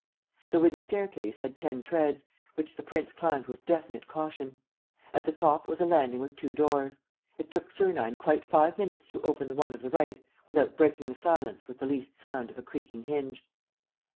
The wooden staircase had ten treads, which the prince climbed with definite caution. At the top was a landing with two doors. It took Sernine quite five minutes to open the one of the right without breaking the silence with the least sound of a creaking hinge.